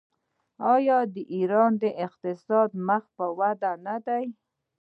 آیا د ایران اقتصاد مخ په وده نه دی؟